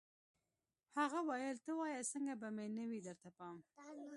هغه ویل ته وایه څنګه به مې نه وي درته پام